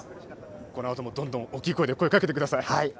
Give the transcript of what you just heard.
このあともどんどん大きい声をかけていってください。